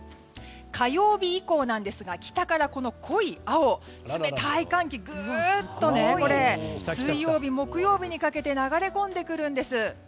火曜日以降なんですが北から濃い青冷たい寒気がぐっと水曜日、木曜日にかけて流れ込んでくるんです。